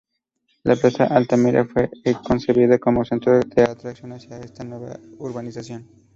La Plaza Altamira fue concebida como centro de atracción hacia esta nueva urbanización.